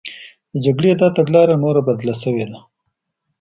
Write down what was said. د جګړې دا تګلاره نوره بدله شوې وه